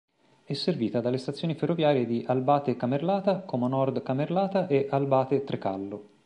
È servita dalle stazioni ferroviarie di Albate-Camerlata, Como Nord-Camerlata e Albate-Trecallo.